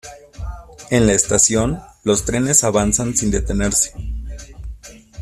En la estación, los trenes avanzan sin detenerse.